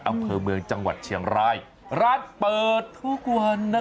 อำเภอเมืองจังหวัดเชียงรายร้านเปิดทุกวันนะคะ